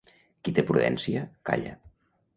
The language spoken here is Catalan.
Qui té prudència, calla.